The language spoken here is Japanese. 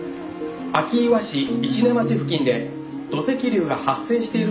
明岩市石音町付近で土石流が発生しているとのことです。